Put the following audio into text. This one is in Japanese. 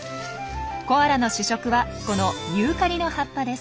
コアラの主食はこのユーカリの葉っぱです。